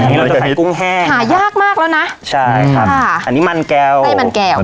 อันนี้เราจะใช้กุ้งแห้งหายากมากแล้วนะใช่ครับค่ะอันนี้มันแก้วไส้มันแก้ว